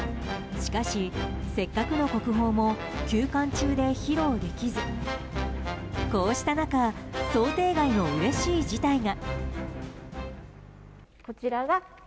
しかし、せっかくの国宝も休館中で披露できずこうした中想定外のうれしい事態が。